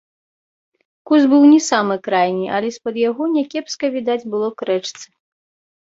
Куст быў не самы крайні, але з-пад яго някепска відаць было к рэчцы.